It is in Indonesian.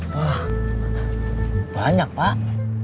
wah banyak pak